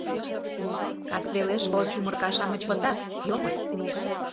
Кас велеш пыл чумырка-шамыч пытат, йомыт;